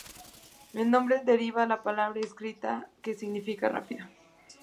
El nombre deriva de la palabra escita "Str", que significa rápido.